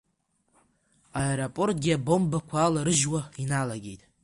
Аеропортгьы абомбақәа аларыжьуа иналагеит.